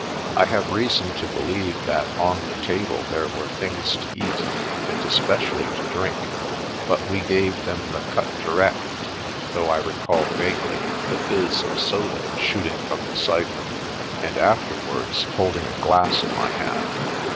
I have reason to believe that on the table there were things to eat, and especially to drink, but we gave them the cut direct, though I recall vaguely the fizz of soda shooting from the syphon, and after wards holding a glass in my hand.